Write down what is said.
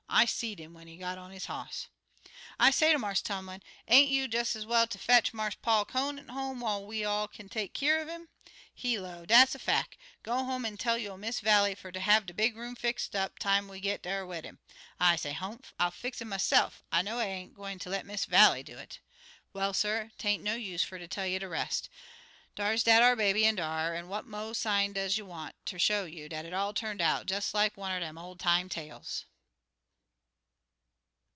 I seed 'im when he got on his hoss. "I say to Marse Tumlin, 'Ain't you des ez well ter fetch Marse Paul Conant home whar we all kin take keer uv 'im?' He low, 'Dat's a fack. Go home an' tell yo' Miss Vallie fer ter have de big room fixed up time we git dar wid 'im.' I say, 'Humph! I'll fix it myse'f; I know'd I ain't gwine ter let Miss Vallie do it.' "Well, suh, 'tain't no use fer ter tell yer de rest. Dar's dat ar baby in dar, an' what mo' sign does you want ter show you dat it all turned out des like one er dem ol' time tales?"